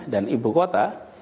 dan ibu kota